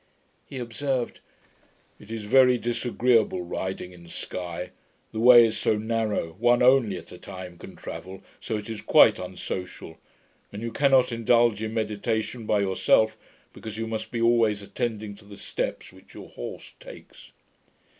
He observed, 'it is very disagreeable riding in Sky. The way is so narrow, one only at a time can travel, so it is quite unsocial; and you cannot indulge in meditation by yourself, because you must be always attending to the steps which your horse takes.'